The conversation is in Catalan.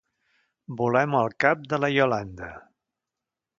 Volem el cap de la Iolanda.